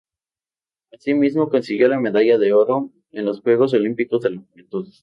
Asimismo, consiguió la medalla de oro en los Juegos Olímpicos de la Juventud.